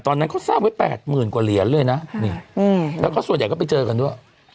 ตอนนั้นเขาสร้างไว้๘๐๐๐กว่าเหรียญเลยนะนี่แล้วก็ส่วนใหญ่ก็ไปเจอกันด้วย